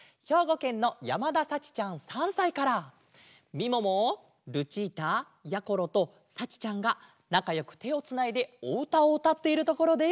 みももルチータやころとさちちゃんがなかよくてをつないでおうたをうたっているところです。